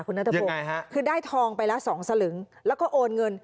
คุณนัทธพกษ์ยังไงฮะคือได้ทองไปละสองสลึงแล้วก็โอนเงิน